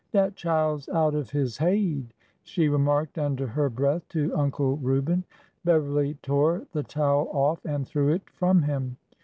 Dat chile 's out of his haid," she remarked under her breath to Uncle Reuben. Beverly tore the towel off and threw it from him.